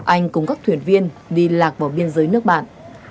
anh cùng các thuyền viên đi lạc vào biên giới nước bạn